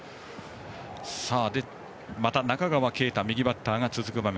また中川圭太右バッターが続く場面。